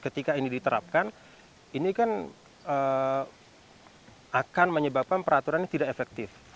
ketika ini diterapkan ini kan akan menyebabkan peraturan ini tidak efektif